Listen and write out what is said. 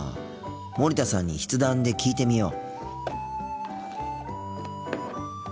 森田さんに筆談で聞いてみよう。